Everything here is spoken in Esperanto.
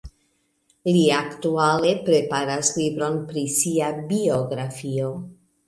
Li aktuale preparas libron pri sia biografio.